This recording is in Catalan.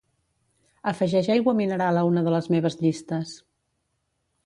Afegeix aigua mineral a una de les meves llistes.